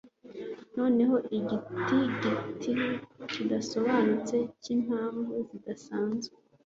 Noneho igitigiri kidasobanutse cyimpamvu zidasanzwe